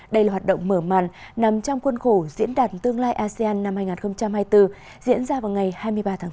đây là hoạt động mở màn nằm trong quân khổ diễn đàn tương lai asean năm hai nghìn hai mươi bốn diễn ra vào ngày hai mươi ba tháng bốn